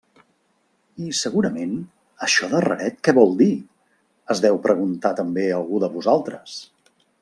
I, segurament, això de raret què vol dir?, es deu preguntar també algú de vosaltres.